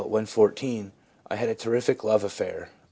* (When 14) I had a terrific love affair.